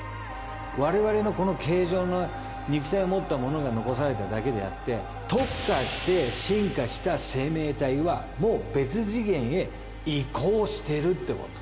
我々のこの形状の肉体をもった者が残されただけであって特化して進化した生命体はもう別次元へ移行してるってこと。